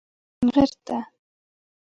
چونغرته